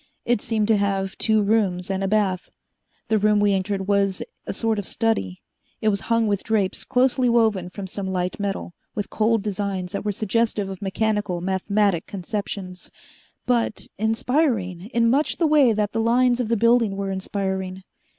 It seemed to have two rooms and a bath. The room we entered was a sort of study. It was hung with drapes closely woven from some light metal, with cold designs that were suggestive of mechanical, mathematic conceptions, but inspiring in much the way that the lines of the building were inspiring.